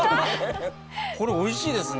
おいしいですね。